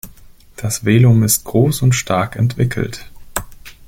Das Velum ist groß und stark entwickelt.